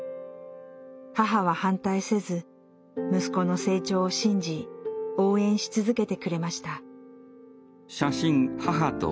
母は反対せず息子の成長を信じ応援し続けてくれました。